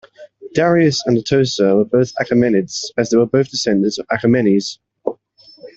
Darius and Atossa were both Achaemenids as they were both descendants of Achaemenes.